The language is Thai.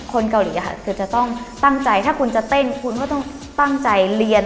คนเกาหลีค่ะคือจะต้องตั้งใจถ้าคุณจะเต้นคุณก็ต้องตั้งใจเรียน